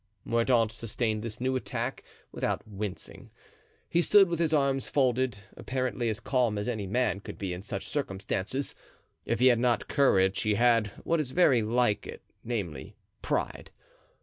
Mordaunt sustained this new attack without wincing. He stood with his arms folded, apparently as calm as any man could be in such circumstances. If he had not courage he had what is very like it, namely, pride.